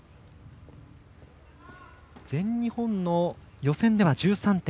全日本の予選では１３．１３３。